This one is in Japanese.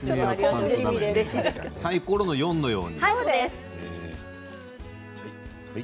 サイコロの４のように。